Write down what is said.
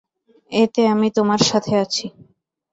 এতে আমি তোমার সাথে আছি।